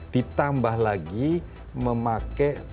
ditambah lagi memakai